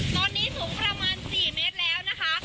ตอนนี้สูงประมาณ๔เมตรแล้วนะคะ